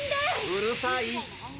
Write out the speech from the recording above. うるさい。